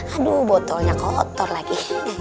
aduh botolnya kotor lagi